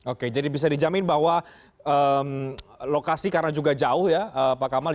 oke jadi bisa dijamin bahwa lokasi karena juga jauh ya pak kamal